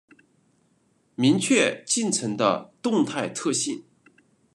明确进程的动态特性